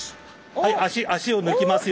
はい足を抜きますよ